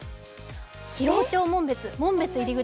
広尾町紋別、紋別入り口。